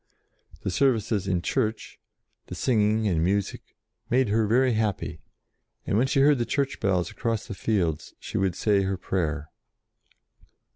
The services in church, the singing and music, made her very happy, and when she heard the church bells across the fields, she would say her prayer.